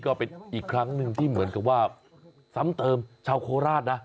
ก็เป็นอีกครั้งหนึ่งที่เหมือนกับว่าซ้ำเติมชาวโคราชนะ